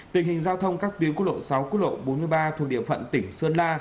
tình hình giao thông các tuyến quốc lộ sáu quốc lộ bốn mươi ba thuộc địa phận tỉnh sơn la